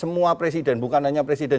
semua presiden bukan hanya presiden